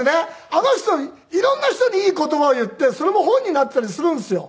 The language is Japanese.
あの人色んな人にいい言葉を言ってそれも本になっていたりするんですよ。